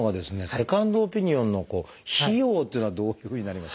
セカンドオピニオンの費用っていうのはどういうふうになります？